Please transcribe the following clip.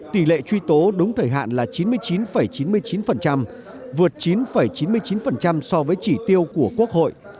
tỷ lệ truy tố đúng thời hạn là chín mươi chín chín mươi chín vượt chín chín mươi chín so với chỉ tiêu của quốc hội